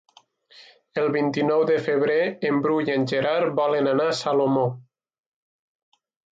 El vint-i-nou de febrer en Bru i en Gerard volen anar a Salomó.